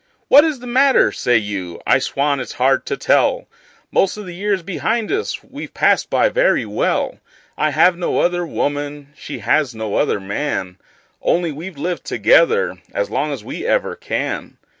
"What is the matter?" say you. I swan it's hard to tell! Most of the years behind us we've passed by very well; I have no other woman, she has no other man Only we've lived together as long as we ever can.